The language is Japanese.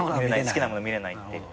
好きなもの見れないっていう。